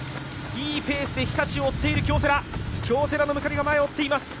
いいペースで日立を追っている京セラ、京セラのムカリが前を追っています。